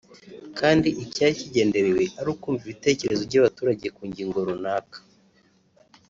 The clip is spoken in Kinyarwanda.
kandi icyari kigenderewe ari ukumva ibitekerezo by’abaturage ku ngingo runaka